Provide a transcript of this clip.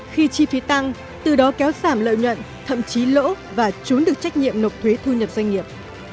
khi chi phí tăng từ đó kéo giảm lợi nhuận thậm chí lỗ và trốn được trách nhiệm nộp thuế thu nhập doanh nghiệp